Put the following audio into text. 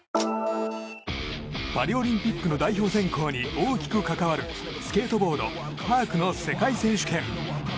パリオリンピックの代表選考に大きく関わるスケートボード・パークの世界選手権。